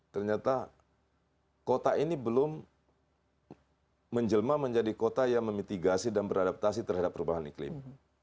ternyata kota ini belum menjelma menjadi kota yang memitigasi dan beradaptasi terhadap perubahan iklim